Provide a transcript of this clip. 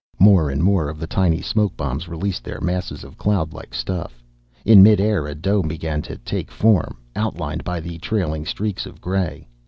More and more of the tiny smoke bombs released their masses of cloudlike stuff. In mid air a dome began to take form, outlined by the trailing streaks of gray.